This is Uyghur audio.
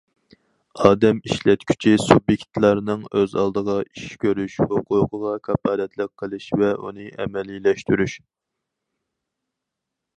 ئادەم ئىشلەتكۈچى سۇبيېكتلارنىڭ ئۆز ئالدىغا ئىش كۆرۈش ھوقۇقىغا كاپالەتلىك قىلىش ۋە ئۇنى ئەمەلىيلەشتۈرۈش.